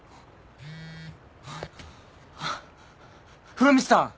風呂光さん！